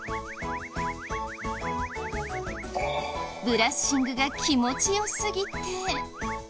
ブラッシングが気持ち良すぎて。